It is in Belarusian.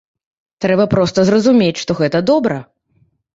Трэба проста зразумець, што гэта добра.